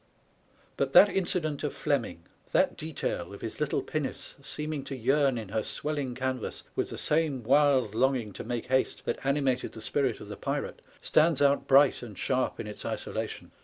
But that incident of Fleming, that detail of his little pinnace seeming to yearn, in her swelling canvas, with the same wild longing to make haste that animated the spirit of the pirate, stands out bright and sharp in its isolation.